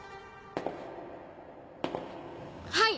はい！